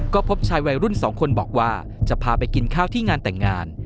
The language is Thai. ก็พบชายวัยรุ่น๒คนบอกว่าจะพาไปกินข้าวที่งานแต่งงาน